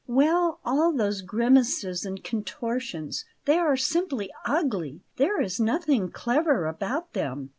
"Well, all those grimaces and contortions. They are simply ugly; there is nothing clever about them."